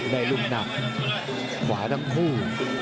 ได้ลูกหนักขวาทั้งคู่